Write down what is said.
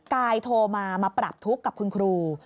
กายโทรมามาปรับทุกข์กับคุณครู